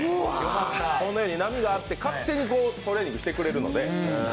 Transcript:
このように波があって勝手にトレーニングしてくれるので。